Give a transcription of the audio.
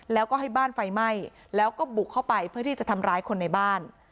แล้วก็ให้บ้านไฟไหม้แล้วก็บุกเข้าไปเพื่อที่จะทำร้ายคนในบ้าน